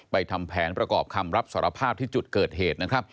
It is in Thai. ทำแผนประกอบคำรับสารภาพที่จุดเกิดเหตุนะครับ